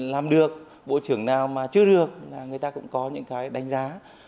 làm được bộ trưởng nào mà chưa được là người ta cũng có những cái đánh giá